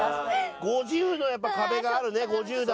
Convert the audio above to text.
５０のやっぱ壁があるね５０台。